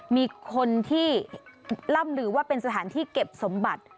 มีคนที่ล่ำลือว่าเป็นสถานที่เก็บสมบัติ